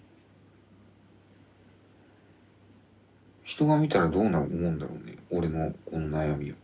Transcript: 人が見たらどう思うんだろうね俺のこの悩みを。